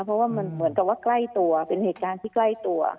เพราะว่ามันเหมือนกับว่าใกล้ตัวเป็นเหตุการณ์ที่ใกล้ตัว